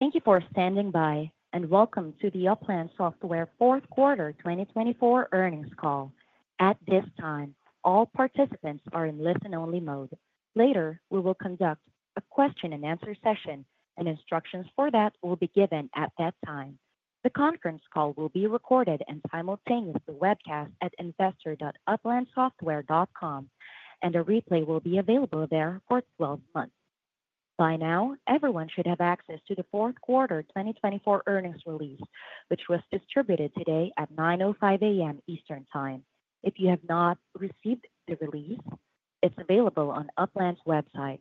Thank you for standing by, and welcome to the Upland Software Fourth Quarter 2024 earnings call. At this time, all participants are in listen-only mode. Later, we will conduct a question-and-answer session, and instructions for that will be given at that time. The conference call will be recorded and simultaneously webcast at investor.uplandsoftware.com, and a replay will be available there for 12 months. By now, everyone should have access to the Fourth Quarter 2024 earnings release, which was distributed today at 9:05 A.M. Eastern Time. If you have not received the release, it's available on Upland's website.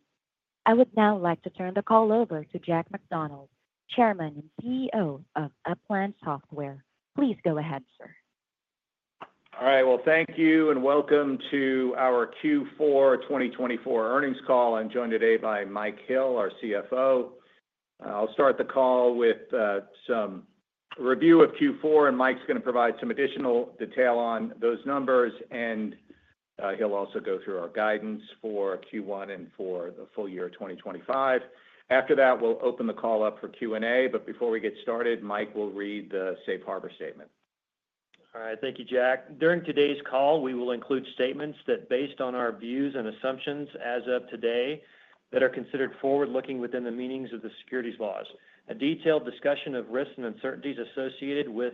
I would now like to turn the call over to Jack McDonald, Chairman and CEO of Upland Software. Please go ahead, sir. All right. Thank you, and welcome to our Q4 2024 earnings call. I'm joined today by Mike Hill, our CFO. I'll start the call with some review of Q4, and Mike's going to provide some additional detail on those numbers, and he'll also go through our guidance for Q1 and for the full year 2025. After that, we'll open the call up for Q&A, but before we get started, Mike will read the Safe Harbor Statement. All right. Thank you, Jack. During today's call, we will include statements that, based on our views and assumptions as of today, are considered forward-looking within the meanings of the securities laws. A detailed discussion of risks and uncertainties associated with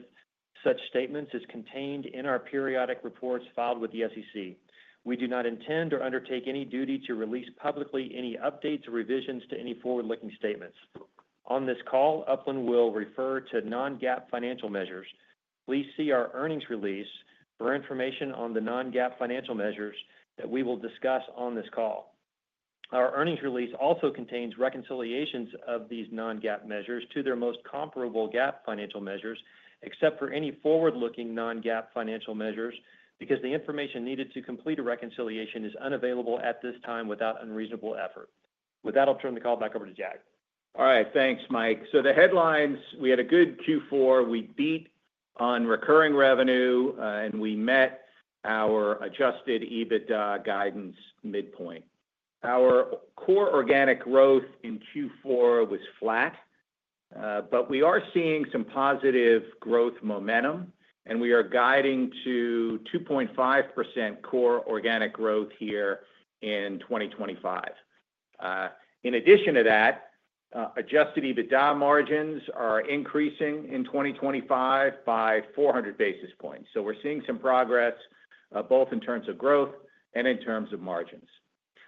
such statements is contained in our periodic reports filed with the SEC. We do not intend or undertake any duty to release publicly any updates or revisions to any forward-looking statements. On this call, Upland will refer to non-GAAP financial measures. Please see our earnings release for information on the non-GAAP financial measures that we will discuss on this call. Our earnings release also contains reconciliations of these non-GAAP measures to their most comparable GAAP financial measures, except for any forward-looking non-GAAP financial measures, because the information needed to complete a reconciliation is unavailable at this time without unreasonable effort. With that, I'll turn the call back over to Jack. All right. Thanks, Mike. So the headlines: we had a good Q4. We beat on recurring revenue, and we met our adjusted EBITDA guidance midpoint. Our core organic growth in Q4 was flat, but we are seeing some positive growth momentum, and we are guiding to 2.5% core organic growth here in 2025. In addition to that, adjusted EBITDA margins are increasing in 2025 by 400 basis points. We are seeing some progress both in terms of growth and in terms of margins.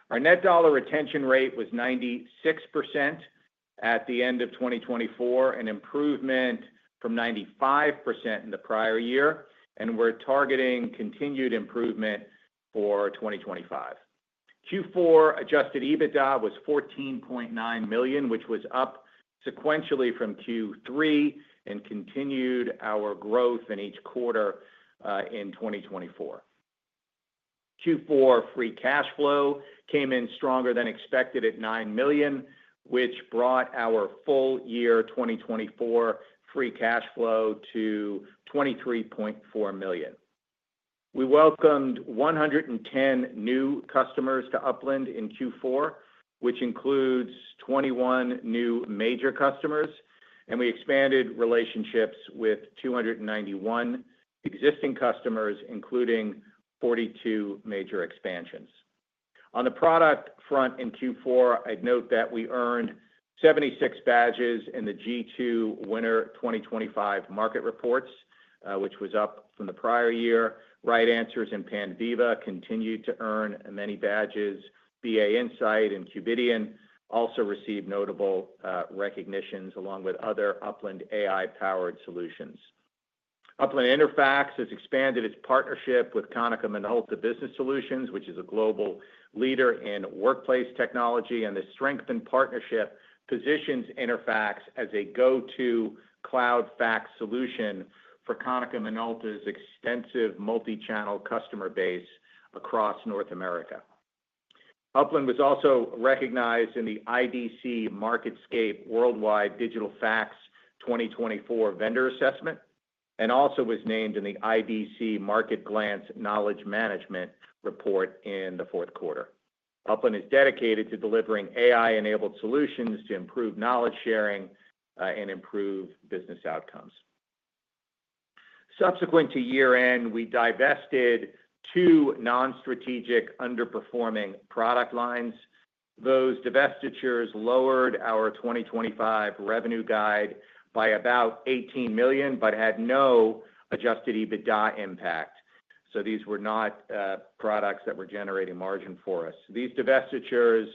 Our net dollar retention rate was 96% at the end of 2024, an improvement from 95% in the prior year, and we are targeting continued improvement for 2025. Q4 adjusted EBITDA was $14.9 million, which was up sequentially from Q3 and continued our growth in each quarter in 2024. Q4 free cash flow came in stronger than expected at $9 million, which brought our full year 2024 free cash flow to $23.4 million. We welcomed 110 new customers to Upland in Q4, which includes 21 new major customers, and we expanded relationships with 291 existing customers, including 42 major expansions. On the product front in Q4, I'd note that we earned 76 badges in the G2 Winter 2025 market reports, which was up from the prior year. RightAnswers and Panviva continued to earn many badges. BA Insight and Qvidian also received notable recognitions along with other Upland AI-powered solutions. Upland InterFAX has expanded its partnership with Konica Minolta Business Solutions, which is a global leader in workplace technology, and this strengthened partnership positions InterFAX as a go-to cloud fax solution for Konica Minolta's extensive multi-channel customer base across North America. Upland was also recognized in the IDC MarketScape: Worldwide Digital Fax 2024 Vendor Assessment and also was named in the IDC Market Glance: Knowledge Management report in the fourth quarter. Upland is dedicated to delivering AI-enabled solutions to improve knowledge sharing and improve business outcomes. Subsequent to year-end, we divested two non-strategic underperforming product lines. Those divestitures lowered our 2025 revenue guide by about $18 million but had no adjusted EBITDA impact. These were not products that were generating margin for us. These divestitures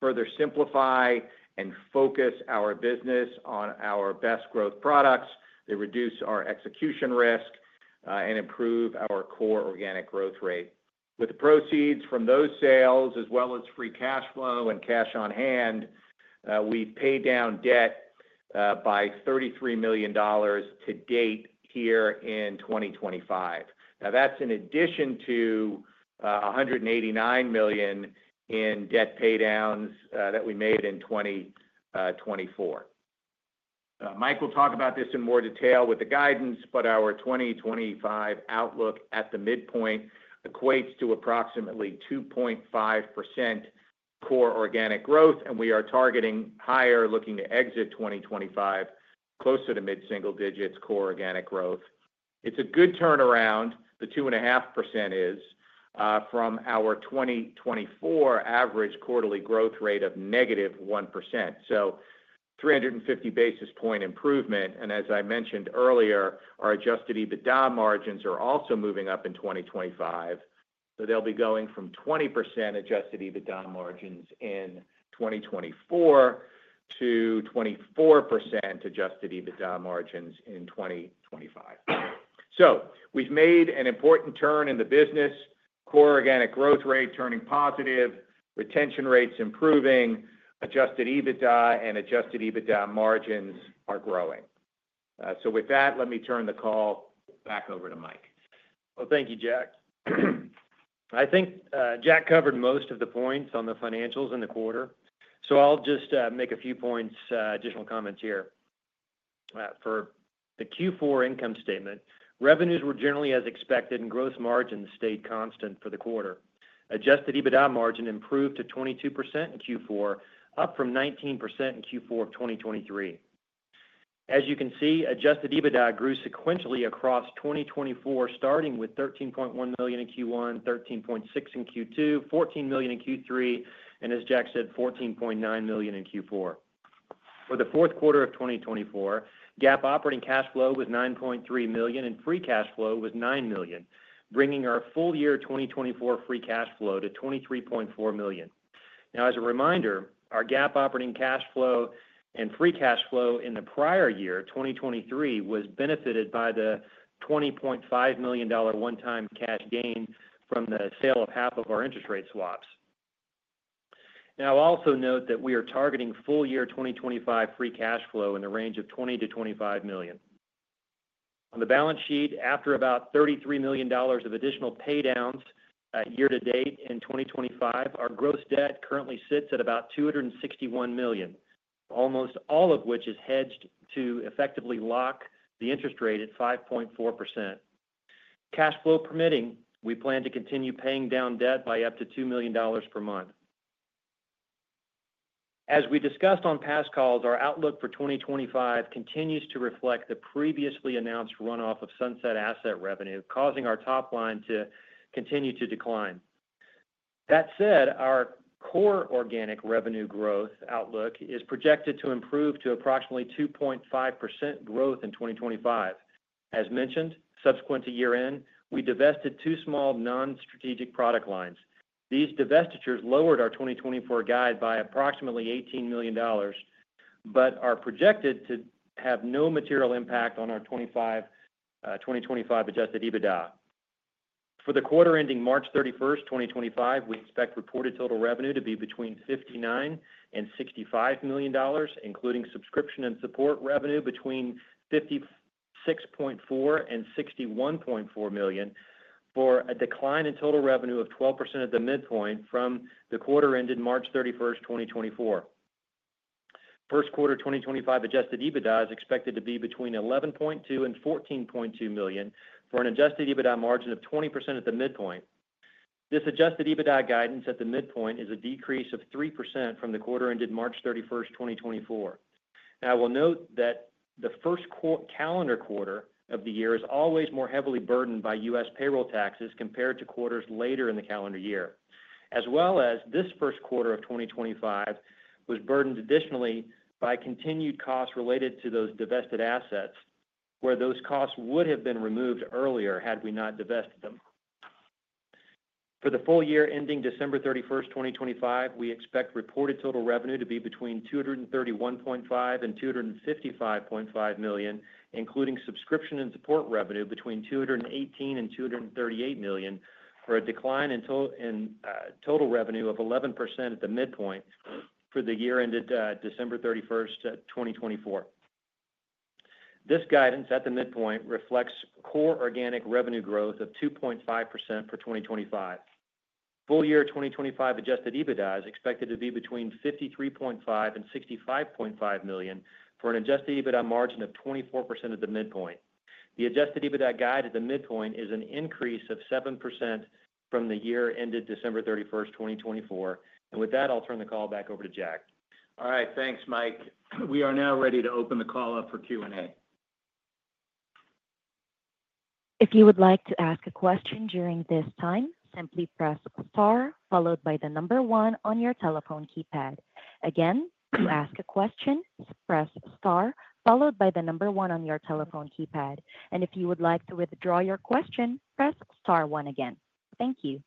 further simplify and focus our business on our best growth products. They reduce our execution risk and improve our core organic growth rate. With the proceeds from those sales, as well as free cash flow and cash on hand, we've paid down debt by $33 million to date here in 2025. Now, that's in addition to $189 million in debt paydowns that we made in 2024. Mike will talk about this in more detail with the guidance, but our 2025 outlook at the midpoint equates to approximately 2.5% core organic growth, and we are targeting higher, looking to exit 2025 closer to mid-single digits core organic growth. It's a good turnaround. The 2.5% is from our 2024 average quarterly growth rate of negative 1%. So 350 basis point improvement. As I mentioned earlier, our adjusted EBITDA margins are also moving up in 2025. They'll be going from 20% adjusted EBITDA margins in 2024 to 24% adjusted EBITDA margins in 2025. We've made an important turn in the business. Core organic growth rate turning positive, retention rates improving, adjusted EBITDA, and adjusted EBITDA margins are growing. With that, let me turn the call back over to Mike. Thank you, Jack. I think Jack covered most of the points on the financials in the quarter, so I'll just make a few points, additional comments here. For the Q4 income statement, revenues were generally as expected, and gross margins stayed constant for the quarter. Adjusted EBITDA margin improved to 22% in Q4, up from 19% in Q4 of 2023. As you can see, adjusted EBITDA grew sequentially across 2024, starting with $13.1 million in Q1, $13.6 million in Q2, $14 million in Q3, and, as Jack said, $14.9 million in Q4. For the fourth quarter of 2024, GAAP operating cash flow was $9.3 million, and free cash flow was $9 million, bringing our full year 2024 free cash flow to $23.4 million. Now, as a reminder, our GAAP operating cash flow and free cash flow in the prior year, 2023, was benefited by the $20.5 million one-time cash gain from the sale of half of our interest rate swaps. Now, I'll also note that we are targeting full year 2025 free cash flow in the range of $20 million-$25 million. On the balance sheet, after about $33 million of additional paydowns year to date in 2025, our gross debt currently sits at about $261 million, almost all of which is hedged to effectively lock the interest rate at 5.4%. Cash flow permitting, we plan to continue paying down debt by up to $2 million per month. As we discussed on past calls, our outlook for 2025 continues to reflect the previously announced runoff of sunset asset revenue, causing our top line to continue to decline. That said, our core organic revenue growth outlook is projected to improve to approximately 2.5% growth in 2025. As mentioned, subsequent to year-end, we divested two small non-strategic product lines. These divestitures lowered our 2024 guide by approximately $18 million, but are projected to have no material impact on our 2025 adjusted EBITDA. For the quarter ending March 31, 2025, we expect reported total revenue to be between $59 million-$65 million, including subscription and support revenue between $56.4 million-$61.4 million, for a decline in total revenue of 12% at the midpoint from the quarter ended March 31, 2024. First quarter 2025 adjusted EBITDA is expected to be between $11.2 million-$14.2 million for an adjusted EBITDA margin of 20% at the midpoint. This adjusted EBITDA guidance at the midpoint is a decrease of 3% from the quarter ended March 31, 2024. Now, I will note that the first calendar quarter of the year is always more heavily burdened by U.S. payroll taxes compared to quarters later in the calendar year, as well as this first quarter of 2025 was burdened additionally by continued costs related to those divested assets, where those costs would have been removed earlier had we not divested them. For the full year ending December 31, 2025, we expect reported total revenue to be between $231.5 million and $255.5 million, including subscription and support revenue between $218 million and $238 million, for a decline in total revenue of 11% at the midpoint for the year ended December 31, 2024. This guidance at the midpoint reflects core organic revenue growth of 2.5% for 2025. Full year 2025 adjusted EBITDA is expected to be between $53.5 million and $65.5 million for an adjusted EBITDA margin of 24% at the midpoint. The adjusted EBITDA guide at the midpoint is an increase of 7% from the year ended December 31, 2024. With that, I'll turn the call back over to Jack. All right. Thanks, Mike. We are now ready to open the call up for Q&A. If you would like to ask a question during this time, simply press star, followed by the number one on your telephone keypad. Again, to ask a question, press star, followed by the number one on your telephone keypad. If you would like to withdraw your question, press star one again. Thank you.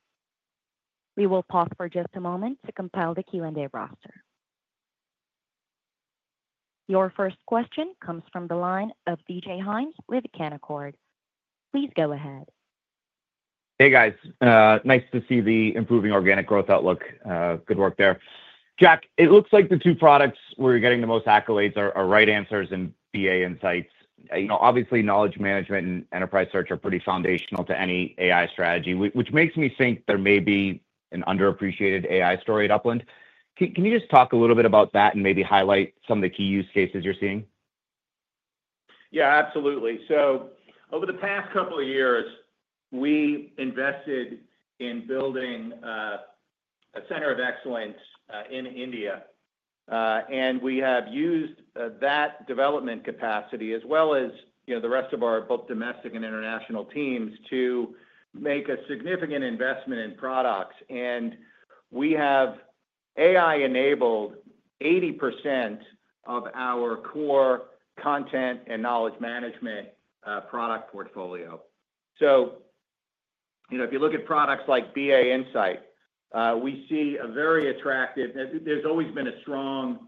We will pause for just a moment to compile the Q&A roster. Your first question comes from the line of DJ Hynes with Canaccord. Please go ahead. Hey, guys. Nice to see the improving organic growth outlook. Good work there. Jack, it looks like the two products where you're getting the most accolades are RightAnswers and BA Insight. Obviously, knowledge management and enterprise search are pretty foundational to any AI strategy, which makes me think there may be an underappreciated AI story at Upland. Can you just talk a little bit about that and maybe highlight some of the key use cases you're seeing? Yeah, absolutely. Over the past couple of years, we invested in building a center of excellence in India, and we have used that development capacity, as well as the rest of our both domestic and international teams, to make a significant investment in products. We have AI-enabled 80% of our core content and knowledge management product portfolio. If you look at products like BA Insight, we see a very attractive—there's always been a strong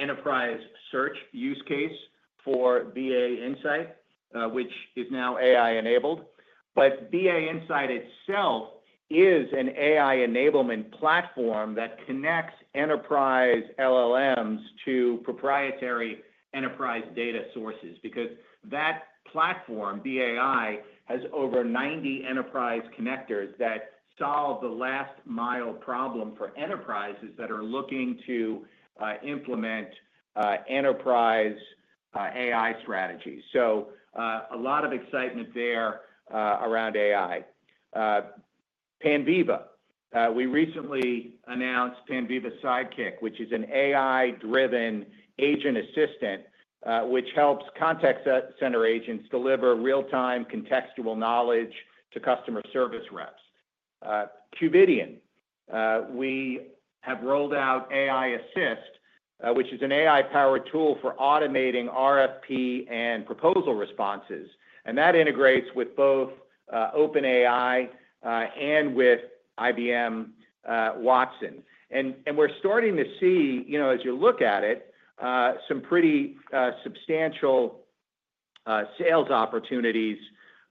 enterprise search use case for BA Insight, which is now AI-enabled. BA Insight itself is an AI enablement platform that connects enterprise LLMs to proprietary enterprise data sources because that platform, BA Insight, has over 90 enterprise connectors that solve the last-mile problem for enterprises that are looking to implement enterprise AI strategies. A lot of excitement there around AI. Panviva. We recently announced Panviva Sidekick, which is an AI-driven agent assistant which helps contact center agents deliver real-time contextual knowledge to customer service reps. Qvidian. We have rolled out AI Assist, which is an AI-powered tool for automating RFP and proposal responses. That integrates with both OpenAI and with IBM Watson. We are starting to see, as you look at it, some pretty substantial sales opportunities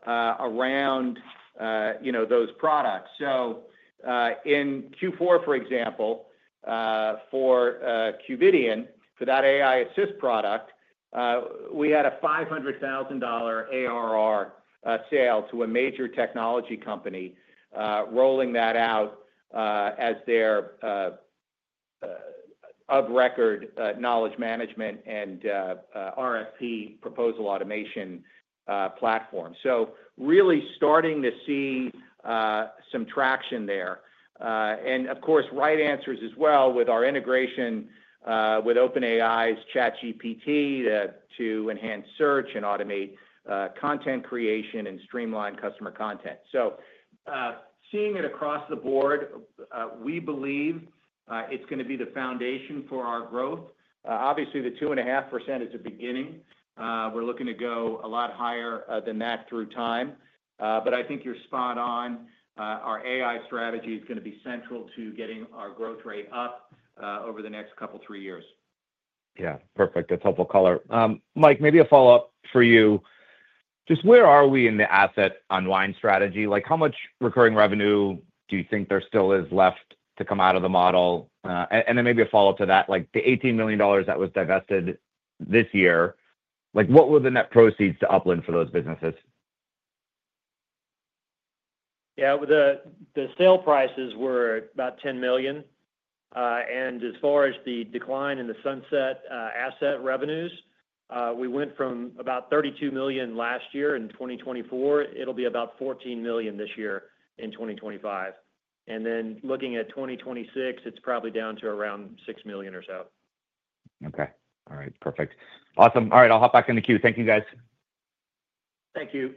around those products. In Q4, for example, for Qvidian, for that AI Assist product, we had a $500,000 ARR sale to a major technology company, rolling that out as their of record knowledge management and RFP proposal automation platform. Really starting to see some traction there. Of course, RightAnswers as well with our integration with OpenAI's ChatGPT to enhance search and automate content creation and streamline customer content. Seeing it across the board, we believe it's going to be the foundation for our growth. Obviously, the 2.5% is a beginning. We're looking to go a lot higher than that through time. I think you're spot on. Our AI strategy is going to be central to getting our growth rate up over the next couple of three years. Yeah. Perfect. That's helpful color. Mike, maybe a follow-up for you. Just where are we in the asset unwind strategy? How much recurring revenue do you think there still is left to come out of the model? Maybe a follow-up to that, the $18 million that was divested this year, what were the net proceeds to Upland for those businesses? Yeah. The sale prices were about $10 million. As far as the decline in the sunset asset revenues, we went from about $32 million last year. In 2024, it will be about $14 million. This year in 2025, and then looking at 2026, it is probably down to around $6 million or so. Okay. All right. Perfect. Awesome. All right. I'll hop back in the queue. Thank you, guys. Thank you.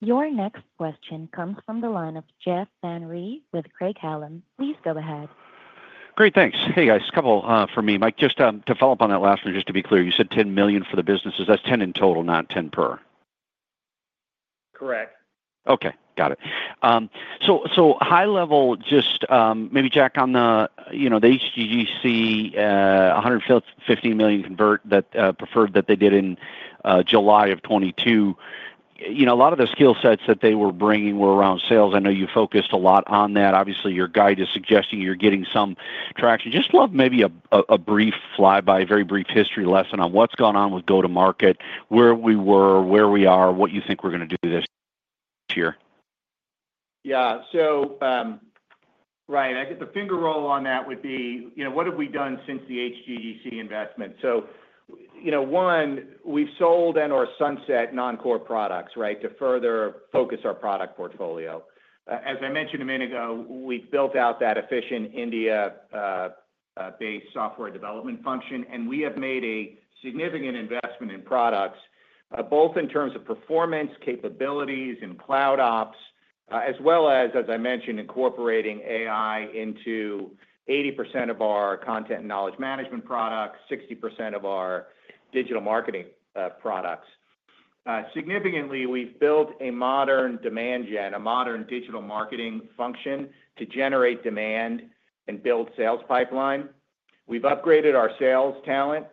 Your next question comes from the line of Jeff Van Rhee with Craig-Hallum. Please go ahead. Great. Thanks. Hey, guys. Couple for me. Mike, just to follow up on that last one, just to be clear, you said $10 million for the businesses. That's $10 million in total, not $10 million per? Correct. Okay. Got it. High level, just maybe, Jack, on the HGGC, $150 million convert that preferred that they did in July of 2022, a lot of the skill sets that they were bringing were around sales. I know you focused a lot on that. Obviously, your guide is suggesting you're getting some traction. Just love maybe a brief flyby, very brief history lesson on what's gone on with go-to-market, where we were, where we are, what you think we're going to do this year. Yeah. Right. The finger roll on that would be, what have we done since the HGGC investment? One, we've sold and/or sunset non-core products, right, to further focus our product portfolio. As I mentioned a minute ago, we've built out that efficient India-based software development function, and we have made a significant investment in products, both in terms of performance, capabilities, and cloud ops, as well as, as I mentioned, incorporating AI into 80% of our content and knowledge management products, 60% of our digital marketing products. Significantly, we've built a modern demand gen, a modern digital marketing function to generate demand and build sales pipeline. We've upgraded our sales talent,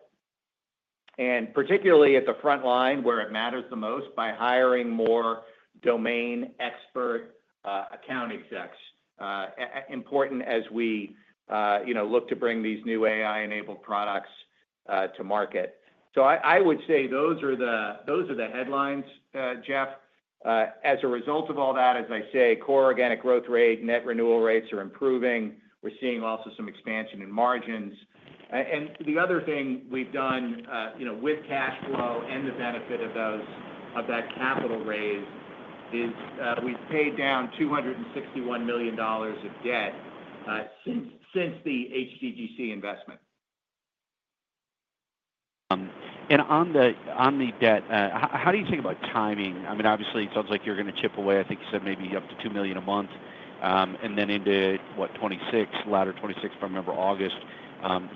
and particularly at the front line where it matters the most, by hiring more domain expert account execs, important as we look to bring these new AI-enabled products to market. I would say those are the headlines, Jeff. As a result of all that, as I say, core organic growth rate, net renewal rates are improving. We're seeing also some expansion in margins. The other thing we've done with cash flow and the benefit of that capital raise is we've paid down $261 million of debt since the HGGC investment. On the debt, how do you think about timing? I mean, obviously, it sounds like you're going to chip away. I think you said maybe up to $2 million a month. And then into, what, 2026, latter 2026, if I remember August,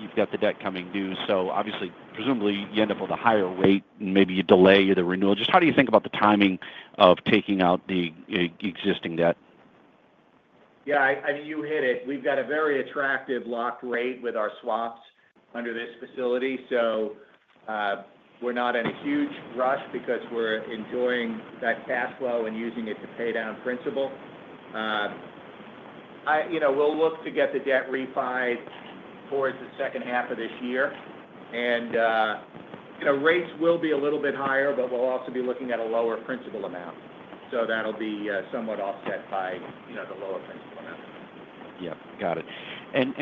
you've got the debt coming due. Obviously, presumably, you end up with a higher rate and maybe you delay the renewal. Just how do you think about the timing of taking out the existing debt? Yeah. I mean, you hit it. We've got a very attractive locked rate with our swaps under this facility. We're not in a huge rush because we're enjoying that cash flow and using it to pay down principal. We'll look to get the debt refi towards the second half of this year. Rates will be a little bit higher, but we'll also be looking at a lower principal amount. That'll be somewhat offset by the lower principal amount. Yeah. Got it.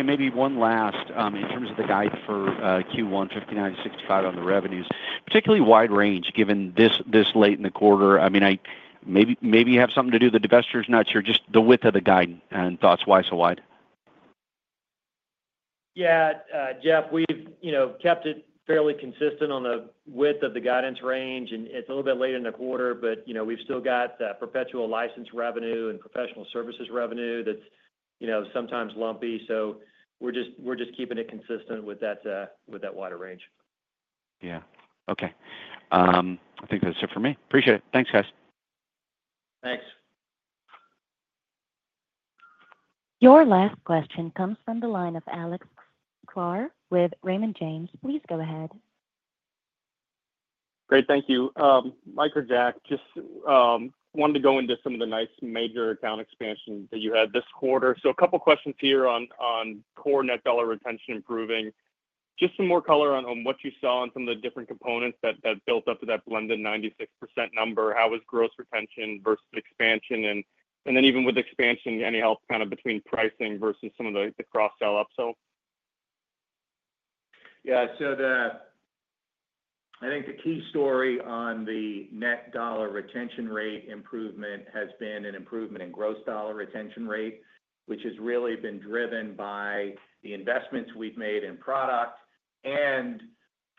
Maybe one last, in terms of the guide for Q1, $59 million-$65 million on the revenues, particularly wide range, given this late in the quarter. I mean, maybe you have something to do with the divestitures and not sure. Just the width of the guide and thoughts, why so wide? Yeah. Jeff, we've kept it fairly consistent on the width of the guidance range. It's a little bit late in the quarter, but we've still got perpetual license revenue and professional services revenue that's sometimes lumpy. We're just keeping it consistent with that wider range. Yeah. Okay. I think that's it for me. Appreciate it. Thanks, guys. Thanks. Your last question comes from the line of Alex Sklar with Raymond James. Please go ahead. Great. Thank you. Mike or Jack, just wanted to go into some of the nice major account expansion that you had this quarter. A couple of questions here on core net dollar retention improving. Just some more color on what you saw on some of the different components that built up to that blended 96% number. How was gross retention versus expansion? Even with expansion, any help kind of between pricing versus some of the cross-sell upsell? Yeah. I think the key story on the net dollar retention rate improvement has been an improvement in gross dollar retention rate, which has really been driven by the investments we've made in product and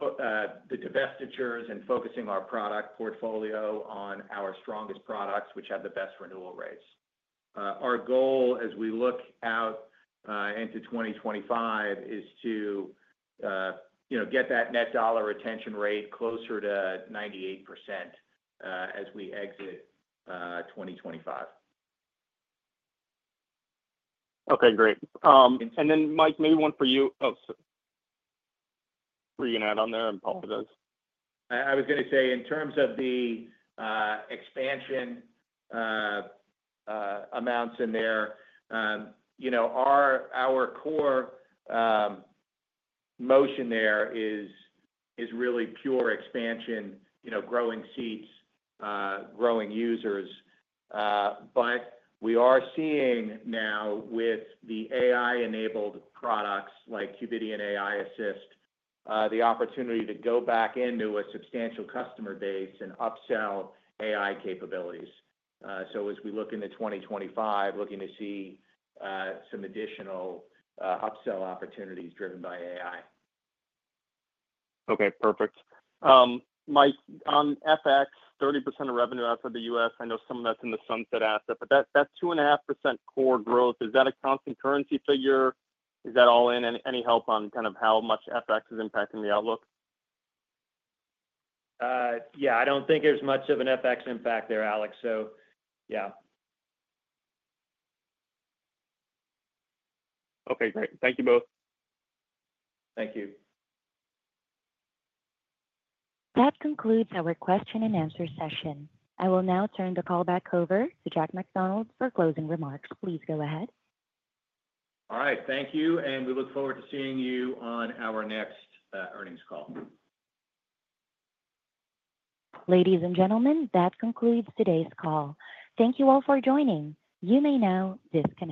the divestitures and focusing our product portfolio on our strongest products, which have the best renewal rates. Our goal as we look out into 2025 is to get that net dollar retention rate closer to 98% as we exit 2025. Okay. Great. Mike, maybe one for you. Oh, sorry. Were you going to add on there? I apologize. I was going to say, in terms of the expansion amounts in there, our core motion there is really pure expansion, growing seats, growing users. We are seeing now, with the AI-enabled products like Qvidian AI Assist, the opportunity to go back into a substantial customer base and upsell AI capabilities. As we look into 2025, looking to see some additional upsell opportunities driven by AI. Okay. Perfect. Mike, on FX, 30% of revenue outside the U.S., I know some of that's in the sunset asset, but that 2.5% core growth, is that a constant currency figure? Is that all in? Any help on kind of how much FX is impacting the outlook? Yeah. I don't think there's much of an FX impact there, Alex. So yeah. Okay. Great. Thank you both. Thank you. That concludes our question-and-answer session. I will now turn the call back over to Jack McDonald for closing remarks. Please go ahead. All right. Thank you. We look forward to seeing you on our next earnings call. Ladies and gentlemen, that concludes today's call. Thank you all for joining. You may now disconnect.